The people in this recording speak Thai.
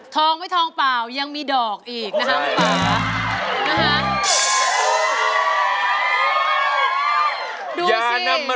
ทองไม่ทองเปล่ายังมีดอกอีกนะคะคุณป่านะคะ